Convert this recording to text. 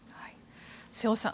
瀬尾さん